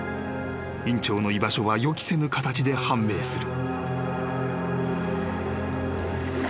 院長の居場所は予期せぬ形で判明する］